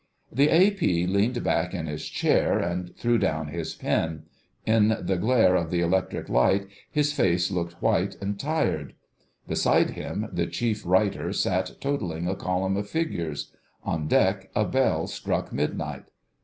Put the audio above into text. The A.P. leaned back in his chair and threw down his pen: in the glare of the electric light his face looked white and tired. Beside him the Chief Writer sat totalling a column of figures: on deck a bell struck midnight.